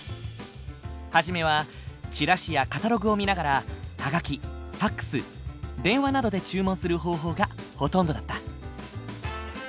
初めはチラシやカタログを見ながらハガキファックス電話などで注文する方法がほとんどだった。